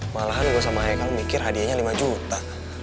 malahan gue sama heikal mikir hadiahnya lima juta